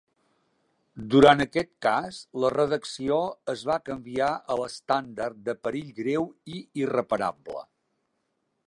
Durant aquest cas, la redacció es va canviar a l'estàndard de perill greu i irreparable.